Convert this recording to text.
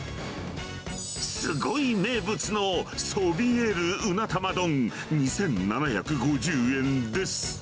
すごい名物の、聳える鰻玉丼２７５０円です。